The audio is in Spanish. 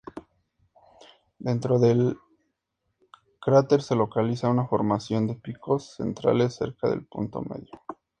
Dentro del cráter se localiza una formación de picos centrales cerca del punto medio.